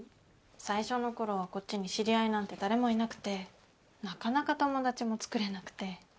最初のころはこっちに知り合いなんて誰もいなくてなかなか友達もつくれなくて。